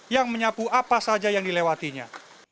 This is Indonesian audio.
yang menyapu apa saja yang dilewatinya